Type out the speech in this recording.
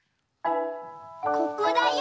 ここだよ。